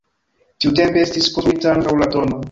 Tiutempe estis konstruita ankaŭ la tn.